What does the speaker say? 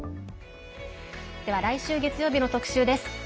では、来週月曜日の特集です。